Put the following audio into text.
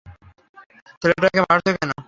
ছেলেটাকে মারছ কেন?